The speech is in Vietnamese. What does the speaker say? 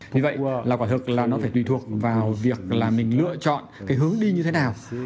thì vậy là quả thực là nó phải tùy thuộc vào việc là mình lựa chọn cái hướng đi như thế nào